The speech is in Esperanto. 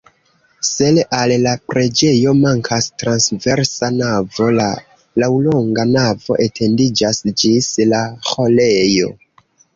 Se al la preĝejo mankas transversa navo, la laŭlonga navo etendiĝas ĝis la ĥorejo.